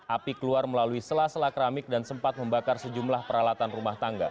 api keluar melalui sela sela keramik dan sempat membakar sejumlah peralatan rumah tangga